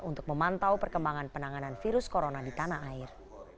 untuk memantau perkembangan penanganan virus corona di tanah air